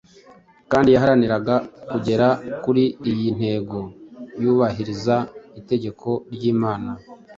kandi yaharaniraga kugera kuri iyi ntego yubahiriza itegeko ry’imana